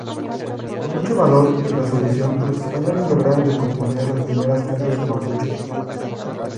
Con mucho valor y resolución los españoles lograron descomponer las primeras cargas mapuches.